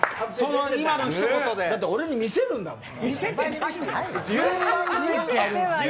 だって俺に見せるんだもん。